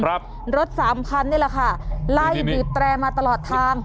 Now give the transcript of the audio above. รถสามคันนี่แหละค่ะไล่บีบแตรมาตลอดทาง